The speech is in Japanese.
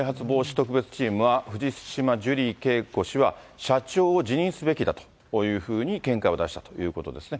特別チームは特別チームは藤島ジュリー景子氏は社長を辞任すべきだというふうに見解を出したということですね。